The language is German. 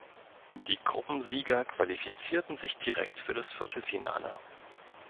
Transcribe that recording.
Die Gruppensieger qualifizierten sich direkt für das Viertelfinale.